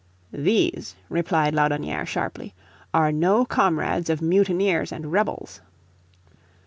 "These," replied Laudonnière, sharply, "are no comrades of mutineers and rebels."